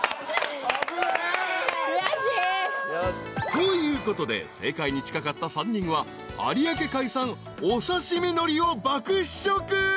［ということで正解に近かった３人は有明海産おさしみ海苔を爆試食］